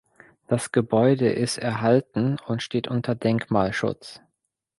Das Gebäude ist erhalten und steht unter Denkmalschutz.